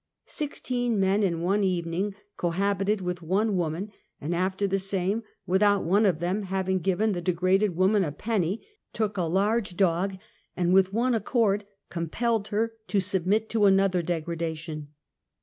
Sixteen meii\ i n one evening c^ohabited with one woman, and after ^ the same, without one of them having given the de graded woman a penny, took a large dog and, with one accord, compelled her to submit to another deg ^ radation